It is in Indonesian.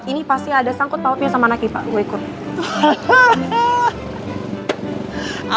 ini pasti ada sangkut pautnya sama anak ipa gue ikut